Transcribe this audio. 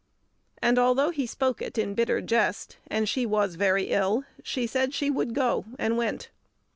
And although he spoke it in bitter jest, and she was very ill, she said she would go, and went.